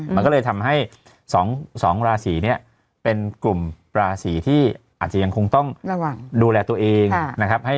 มันก็เลยทำให้๒ราศีนี้เป็นกลุ่มราศีที่อาจจะยังคงต้องดูแลตัวเองนะครับ